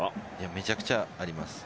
めちゃくちゃあります。